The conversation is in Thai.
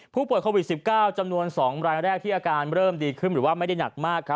ผู้ป่วยโควิด๑๙จำนวน๒รายแรกที่อาการเริ่มดีขึ้นหรือว่าไม่ได้หนักมาก